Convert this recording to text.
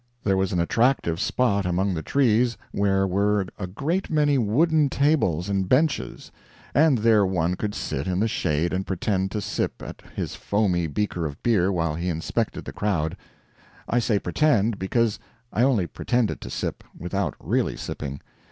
There was an attractive spot among the trees where were a great many wooden tables and benches; and there one could sit in the shade and pretend to sip at his foamy beaker of beer while he inspected the crowd. I say pretend, because I only pretended to sip, without really sipping.